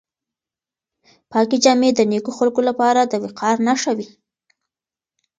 پاکې جامې د نېکو خلکو لپاره د وقار نښه وي.